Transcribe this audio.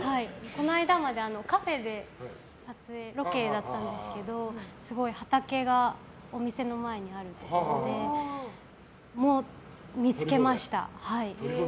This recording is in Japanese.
この間までカフェでロケだったんですけどすごい畑がお店の前にあるところで見つけました。